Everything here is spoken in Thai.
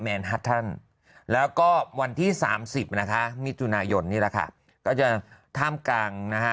ท่านแล้วก็วันที่สามสิบนะคะมิถุนายนนี่แหละค่ะก็จะท่ามกลางนะฮะ